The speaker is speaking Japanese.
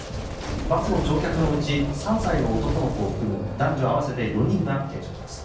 バスの乗客のうち３歳の男の子を含む男女合わせて４人が軽傷です。